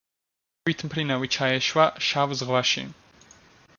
თვითმფრინავი ჩაეშვა შავ ზღვაში.